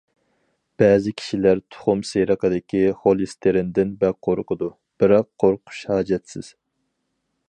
بەزى كىشىلەر تۇخۇم سېرىقىدىكى خولېستېرىندىن بەك قورقىدۇ، بىراق قورقۇش ھاجەتسىز.